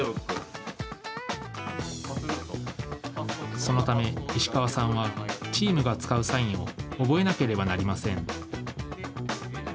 そのため、石川さんはチームが使うサインを覚えなければなりません。